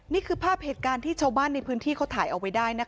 นี่คือภาพเหตุการณ์ที่ชาวบ้านในพื้นที่เขาถ่ายเอาไว้ได้นะคะ